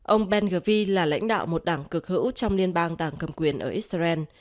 ông ben ghvi là lãnh đạo một đảng cực hữu trong liên bang đảng cầm quyền ở israel